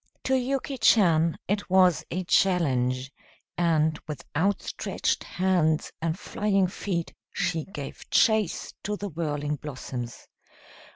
To Yuki Chan it was a challenge, and with outstretched hands and flying feet she gave chase to the whirling blossoms.